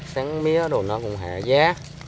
sáng mía đồ nó cũng hạ giá